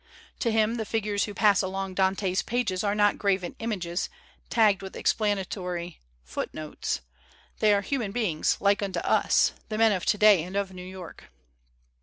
To him the figures who pass along Dante's pages are not graven images, tagged with explanatory foot notes; they are human beings like unto us, the men of today and of New York.